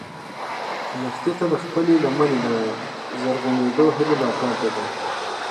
لښتې ته د خپلې لمنې د زرغونېدو هیله لا پاتې ده.